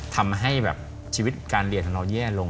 ทำให้แบบชีวิตการเรียนของเราแย่ลง